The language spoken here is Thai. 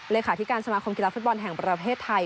เลขาธิการสมาคมกีฬาฟุตบอลแห่งประเทศไทย